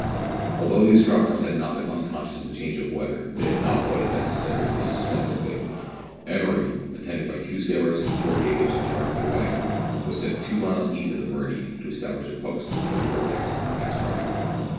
Although the astronomers had not been unconscious of the change of weather, they had not thought it necessary to suspend their labours. Emery, attended by two sailors and four natives in charge of a waggon, was sent two miles east of the meridian to establish a post for the vertex of the next triangle.